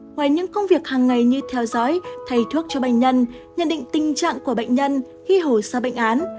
ngoài những công việc hàng ngày như theo dõi thay thuốc cho bệnh nhân nhận định tình trạng của bệnh nhân hy hồ sao bệnh án